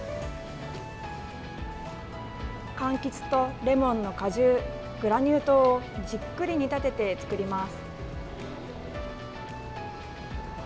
かんきつとレモンの果汁グラニュー糖をじっくり煮たてて作ります。